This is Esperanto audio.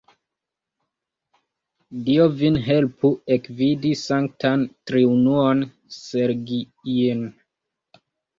Dio vin helpu ekvidi Sanktan Triunuon-Sergij'n.